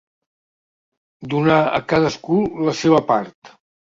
Donar a cadascú la seva part.